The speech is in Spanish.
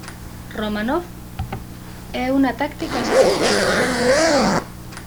Romanoff es una táctica experta.